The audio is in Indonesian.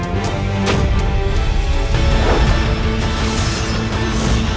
kurang ajar kau guru